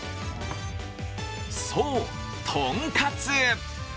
そう、とんかつ！